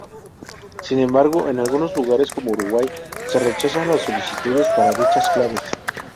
Sin embargo, en algunos lugares, como Uruguay, se rechazan las solicitudes para dichas claves.